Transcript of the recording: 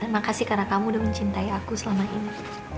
makasih karena kamu sudah mencintai aku selama ini